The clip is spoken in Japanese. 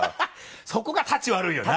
そこがたち悪いよな